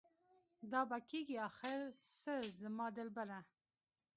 دا به کيږي اخر څه زما دلبره؟